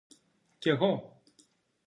Κι εγώ!